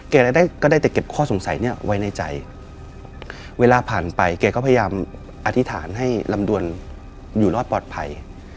ก็ได้ก็ได้แต่เก็บข้อสงสัยนี้ไว้ในใจเวลาผ่านไปแกก็พยายามอธิษฐานให้ลำดวนอยู่รอดปลอดภัย